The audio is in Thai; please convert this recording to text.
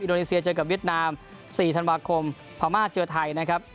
โดนีเซียเจอกับเวียดนาม๔ธันวาคมพม่าเจอไทยนะครับ